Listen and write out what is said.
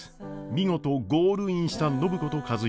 見事ゴールインした暢子と和彦。